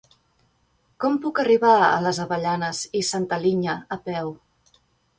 Com puc arribar a les Avellanes i Santa Linya a peu?